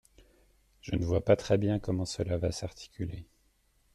Je ne vois pas très bien comment cela va s’articuler.